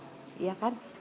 sudah bukan calon suami istri